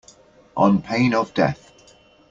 On pain of death.